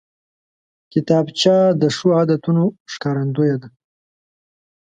کتابچه د ښو عادتونو ښکارندوی ده